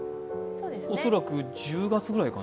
恐らく１０月ぐらいかな。